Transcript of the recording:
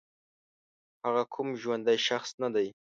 هغه کوم ژوندی شخص نه دی